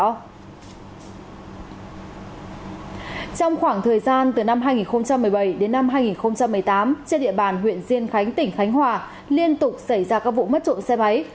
trong khoảng thời gian từ năm hai nghìn một mươi bảy đến năm hai nghìn một mươi tám trên địa bàn huyện diên khánh tỉnh khánh hòa liên tục xảy ra các vụ mất trộm xe máy